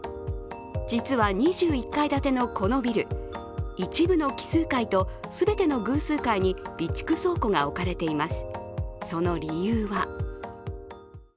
実は２１階建てのこのビル、一部の奇数階と全ての偶数階に備蓄倉庫が置かれています。